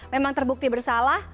memang terbukti bersalah